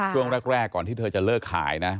ช่วงแรกก่อนที่เธอจะเลิกขายนะ